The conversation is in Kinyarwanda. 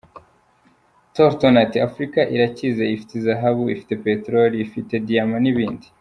Tolton ati “Afurika irakize, ifite zahabu, ifite peterole, ifite diyama n’ ibindi.